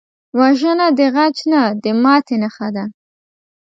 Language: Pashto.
وژنه د غچ نه، د ماتې نښه ده